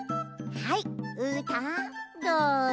はいうーたんどうぞ。